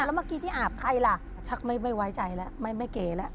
แล้วเมื่อกี้ที่อาบใครล่ะชักไม่ไว้ใจแล้วไม่เก๋แล้ว